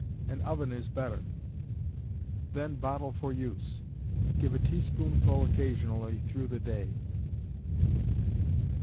An oven is better. Then bottle for use. Give a teaspoonful occasionally through the day.